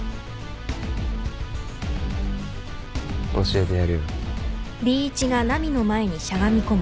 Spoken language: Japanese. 教えてやるよ。